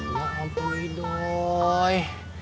ya ampuni doy